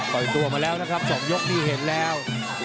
ปล่อยตัวมาแล้วนะครับ๒ยกนี่เห็นแล้ว